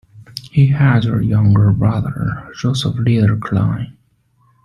He had a younger brother, Joseph Leander Cline.